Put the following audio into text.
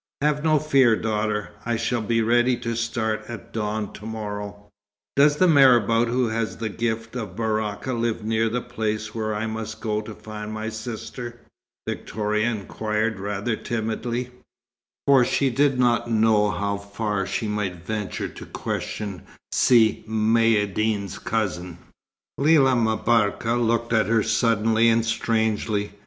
Have no fear, daughter. I shall be ready to start at dawn to morrow." "Does the marabout who has the gift of Baraka live near the place where I must go to find my sister?" Victoria inquired, rather timidly; for she did not know how far she might venture to question Si Maïeddine's cousin. Lella M'Barka looked at her suddenly and strangely.